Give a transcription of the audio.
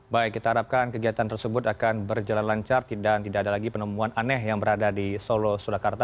baik kita harapkan kegiatan tersebut akan berjalan lancar dan tidak ada lagi penemuan aneh yang berada di solo surakarta